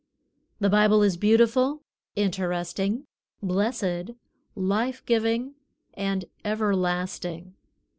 The Bible is Beautiful, Interesting, Blessed, Life giving, and Everlasting.